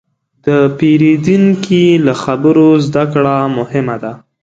د پیرودونکي له خبرو زدهکړه مهمه ده.